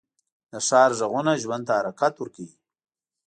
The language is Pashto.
د ښار غږونه ژوند ته حرکت ورکوي